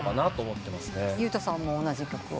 Ｕ太さんも同じ曲を。